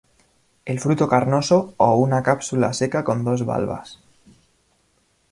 El fruto carnoso o una cápsula seca con dos valvas.